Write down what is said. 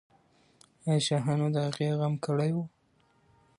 آیا شاهانو د هغې غم کړی و؟